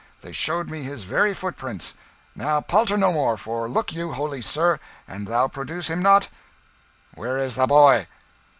They showed me his very footprints. Now palter no more; for look you, holy sir, an' thou produce him not Where is the boy?"